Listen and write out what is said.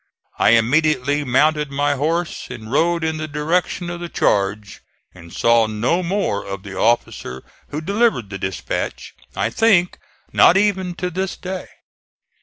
I immediately mounted my horse and rode in the direction of the charge, and saw no more of the officer who delivered the dispatch; I think not even to this day.